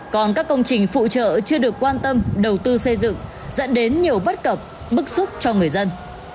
còn các công trình phụ trợ chưa được quan tâm đầu tư xây dựng dẫn đến nhiều bất cập bức xúc cho người dân